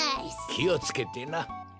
きをつけてな。